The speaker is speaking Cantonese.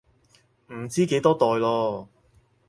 唔知幾多代囉